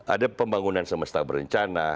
ada pembangunan semesta berencana